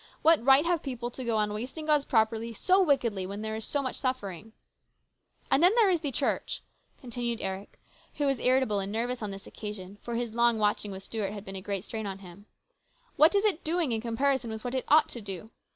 What right have people to go on wasting God's property so wickedly while there is so much suffering ?" And then there is the Church," continued Eric, who was irritable and nervous on this occasion, for his long watching with Stuart had been a great strain on him ;" what is it doing in comparison with what it ought to do